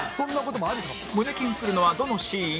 胸キュンするのはどのシーン？